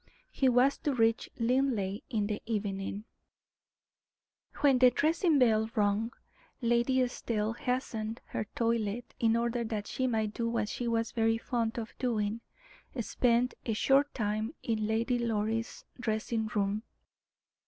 He was to reach Linleigh in the evening. When the dressing bell rung, Lady Estelle hastened her toilet, in order that she might do what she was very fond of doing spend a short time in Lady Doris' dressing room.